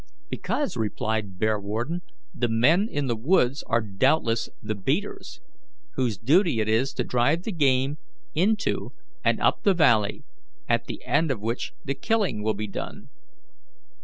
"Because," replied Bearwarden, "the men in the woods are doubtless the beaters, whose duty it is to drive the game into and up the valley, at the end of which the killing will be done."